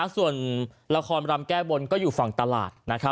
ส่วนละครรำแก้บนก็อยู่ฝั่งตลาด